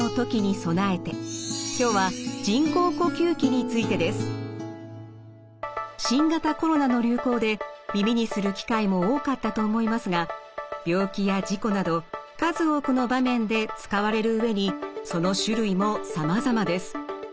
今日は人工呼吸器についてです。新型コロナの流行で耳にする機会も多かったと思いますが病気や事故など数多くの場面で使われる上にその種類もさまざまです。